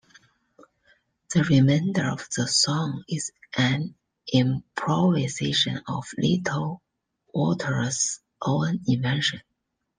The remainder of the song is an improvisation of Little Walter's own invention.